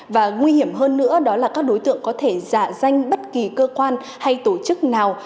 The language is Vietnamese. và nguy hiểm hơn nữa đó là các đối tượng có thể giả danh bất kỳ cơ quan hay tổ chức nào